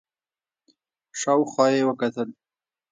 شاو خوا يې وکتل.